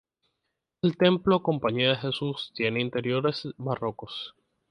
El templo Compañía de Jesús tiene interiores barrocos.